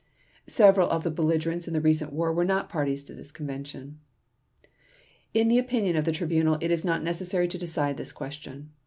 Several of the belligerents in the recent war were not parties to this Convention. In the opinion of the Tribunal it is not necessary to decide this question.